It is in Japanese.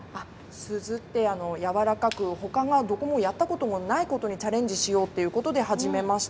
すずって柔らかく他はどこもやったことないことにチャレンジしようということで始めました。